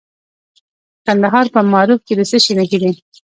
د کندهار په معروف کې د څه شي نښې دي؟